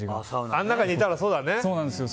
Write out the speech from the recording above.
あの中にいたらそうだね。